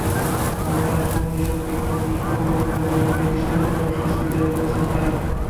হামলার সঙ্গে সম্পৃক্ত পুলিশ কর্মকর্তাদের বিরুদ্ধে দৃষ্টান্তমূলক শাস্তি দাবি করেছেন তাঁরা।